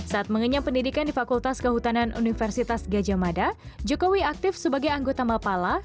saat mengenyam pendidikan di fakultas kehutanan universitas gajah mada jokowi aktif sebagai anggota mapala